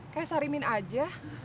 kayak sarimin aja